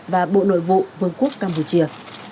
và bộ nội vụ vương quốc campuchia